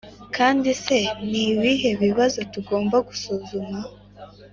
kandi se ni ibihe bibazo tugomba gusuzuma?